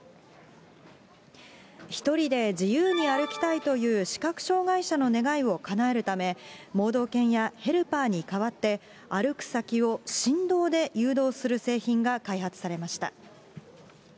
１人で自由に歩きたいという視覚障害者の願いをかなえるため、盲導犬やヘルパーに代わって、歩く先を振動で誘導する製品が開発されました。